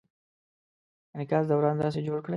د انعکاس دوران داسې جوړ کړئ: